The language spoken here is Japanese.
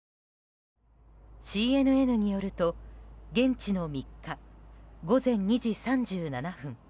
ＣＮＮによると現地の３日、午前２時３７分